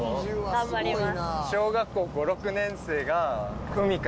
頑張ります。